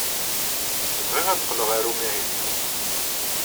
Bɣiɣ ad qqleɣ ɣer umahil-inu.